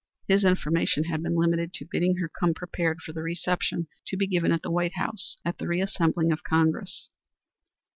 His information had been limited to bidding her come prepared for the reception to be given at the White House at the reassembling of Congress.